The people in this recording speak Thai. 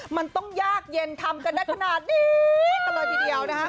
มันต้องยากเย็นทำกันได้ขนาดนี้กันเลยทีเดียวนะคะ